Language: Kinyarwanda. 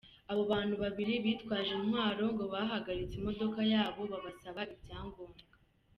Abo bantu babiri bitwaje intwaro ngo bahagaritse imodoka yabo babasaba ibyangombwa.